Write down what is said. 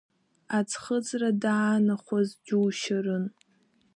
Аӡхыҵра даанахәаз џьушьарын.